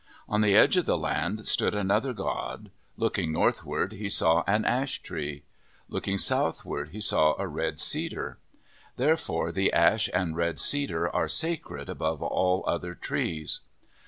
On the edge of the land stood another god. Looking northward, he saw an ash tree. Looking southward, he saw a red cedar. Therefore the ash and red cedar are sacred above all other trees.